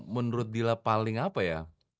menurut dila paling apa ya